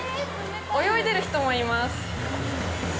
泳いでる人もいます。